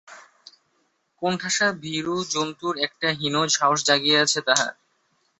কোণঠাসা ভীরু জন্তুর একটা হীন সাহস জাগিয়াছে তাহার।